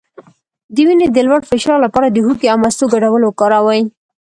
د وینې د لوړ فشار لپاره د هوږې او مستو ګډول وکاروئ